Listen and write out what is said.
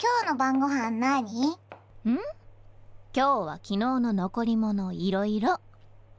きょうはきのうののこりものいろいろ。